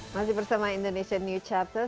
masih bersama indonesia new chapter